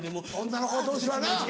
女の子同士はな。